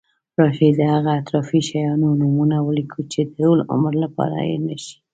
راشي د هغه اطرافي شیانو نومونه ولیکو چې د ټول عمر لپاره هېر نشی.